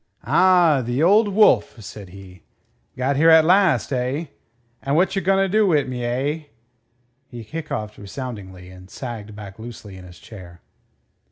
"Ah! The Old Wolf!" said he. "Got here at last, eh? And whatcher gonnerdo wi' me, eh?" He hiccoughed resoundingly, and sagged back loosely in his chair.